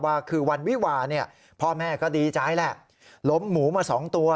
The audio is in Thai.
ว่าคือวันวิวาเนี่ยพ่อแม่ก็ดีใจแหละล้มหมูมาสองตัว